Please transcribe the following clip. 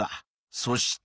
そして。